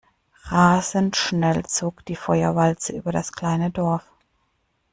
Rasend schnell zog die Feuerwalze über das kleine Dorf.